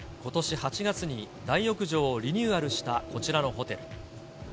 ８月に、大浴場をリニューアルしたこちらのホテル。